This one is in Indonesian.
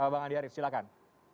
bang andi arief silahkan